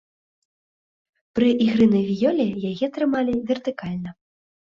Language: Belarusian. Пры ігры на віёле яе трымалі вертыкальна.